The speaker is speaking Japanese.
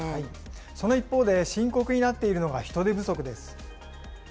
その一方で、深刻になっているのが人手不足です。